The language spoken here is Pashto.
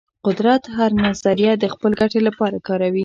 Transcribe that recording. قدرت هره نظریه د خپل ګټې لپاره کاروي.